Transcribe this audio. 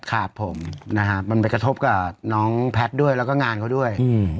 ครับผมนะฮะมันไปกระทบกับน้องแพทย์ด้วยแล้วก็งานเขาด้วย